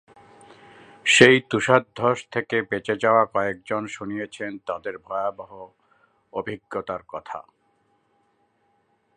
সেই তুষারধস থেকে বেঁচে যাওয়া কয়েকজন শুনিয়েছেন তাঁদের ভয়াবহ অভিজ্ঞতার কথা।